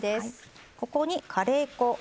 ここにカレー粉。